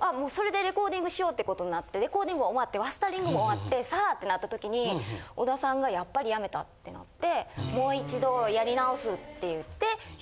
あもうそれでレコーディングしようって事になってレコーディングも終わってマスタリングも終わってさあ！ってなった時に。って言って。